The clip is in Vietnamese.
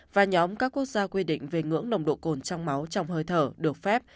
và nhóm các quốc gia quy định về ngưỡng nồng độ cồn trong máu trong hơi thở được phép